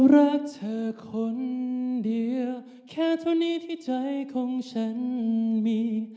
รักเธอคนเดียวแค่เท่านี้ที่ใจของฉันมี